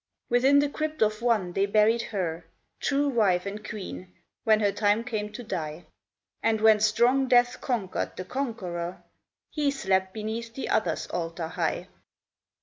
Within the crypt of one they buried her, True wife and queen, when her time came to die ; And when strong death conquered the Conqueror, He slept beneath the other's altar high.